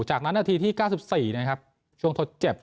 จากนั้นนาทีที่๙๔นะครับช่วงทดเจ็บ